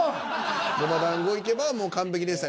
ごまだんごをいけばもう完璧でしたね。